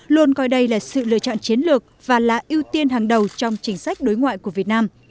luôn coi đây là sự lựa chọn chiến lược và là ưu tiên hàng đầu trong chính sách đối ngoại của việt nam